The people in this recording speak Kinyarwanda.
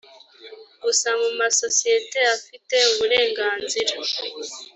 gusa mu masosiyete afite uburenganzira